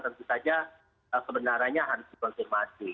tentu saja kebenarannya harus dikonfirmasi